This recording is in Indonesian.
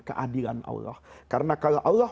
keadilan allah karena kalau allah